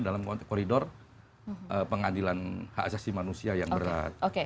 dalam koridor pengadilan hak asasi manusia yang berat